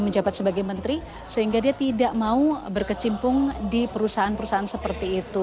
menjabat sebagai menteri sehingga dia tidak mau berkecimpung di perusahaan perusahaan seperti itu